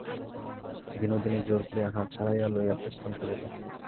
বিনোদিনী জোর করিয়া হাত ছাড়াইয়া লইয়া প্রস্থান করিল।